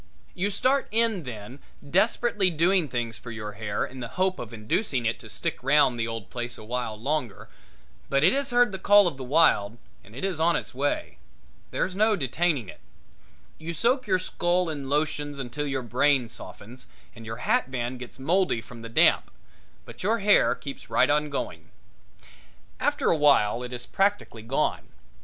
You start in then desperately doing things for your hair in the hope of inducing it to stick round the old place a while longer, but it has heard the call of the wild and it is on its way. There's no detaining it. You soak your skull in lotions until your brain softens and your hat band gets moldy from the damp, but your hair keeps right on going. After a while it is practically gone.